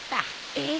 えっ？